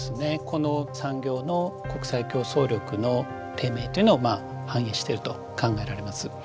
この産業の国際競争力の低迷というのをまあ反映していると考えられます。